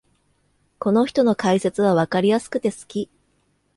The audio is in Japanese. この人の解説はわかりやすくて好き